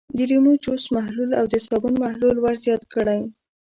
د لیمو جوس محلول او د صابون محلول ور زیات کړئ.